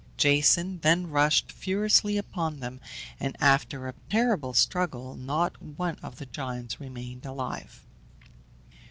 Jason then rushed furiously upon them, and after a terrible struggle not one of the giants remained alive.